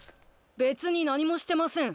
べつに何もしてません。